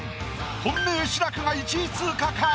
本命志らくが１位通過か？